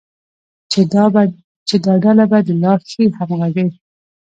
چې دا ډله به د لا ښې همغږۍ،